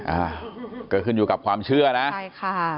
อ่าก็ขึ้นอยู่กับความเชื่อนะใช่ค่ะ